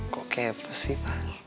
kok kepes sih pak